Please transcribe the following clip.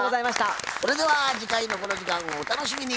それでは次回のこの時間をお楽しみに。